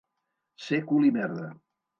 Ser cul i merda.